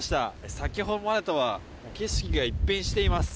先ほどまでとは景色が一変しています。